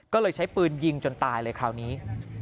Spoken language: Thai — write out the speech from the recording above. ก็เลยใช้ปืนยิงจนตายเลยคราวนี้